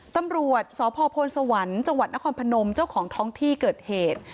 ตำรวจสพพลสวรรค์จังหวัดนครพนมเจ้าของท้องที่เกิดเหตุ